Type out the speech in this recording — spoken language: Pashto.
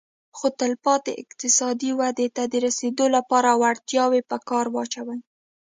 خو تلپاتې اقتصادي ودې ته د رسېدو لپاره وړتیاوې په کار واچوي